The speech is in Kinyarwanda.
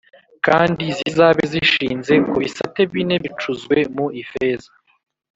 kandi zizabe zishinze ku bisate bine bicuzwe mu ifeza